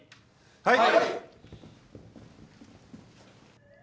はい！